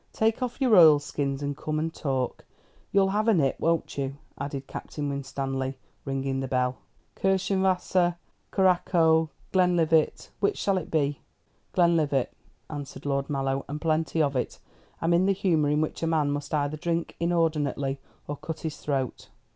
"Take off your oilskins and come and talk. You'll have a nip, won't you?" added Captain Winstanley, ringing the bell. "Kirschenwasser, curaçoa, Glenlivat which shall it be?" "Glenlivat," answered Lord Mallow, "and plenty of it. I'm in the humour in which a man must either drink inordinately or cut his throat."